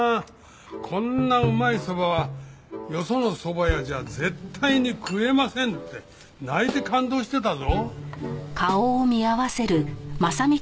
こんなうまいそばはよそのそば屋じゃ絶対に食えませんって泣いて感動してたぞ。